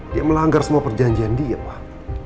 dia melanggar semua perjanjian dia pak